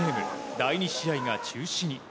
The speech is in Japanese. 第２試合が中止に。